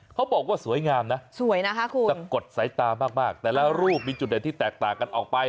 เขาบอกว่าสวยงามนะสวยนะคะคุณสะกดสายตามากแต่ละรูปมีจุดเด่นที่แตกต่างกันออกไป